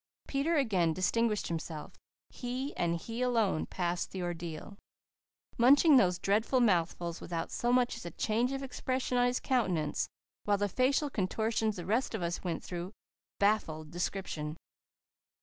Peter again distinguished himself. He, and he alone, passed the ordeal, munching those dreadful mouthfuls without so much as a change of expression on his countenance, while the facial contortions the rest of us went through baffled description.